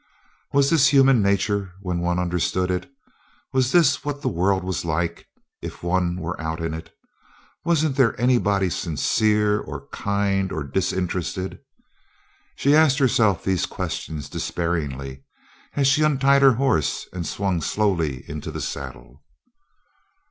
Was this human nature when one understood it? Was this what the world was like if one were out in it? Wasn't there anybody sincere or kind or disinterested? She asked herself these questions despairingly as she untied her horse and swung slowly into the saddle.